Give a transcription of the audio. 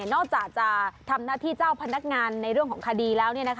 นอกจากจะทำหน้าที่เจ้าพนักงานในเรื่องของคดีแล้ว